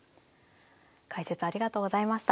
解説ありがとうございました。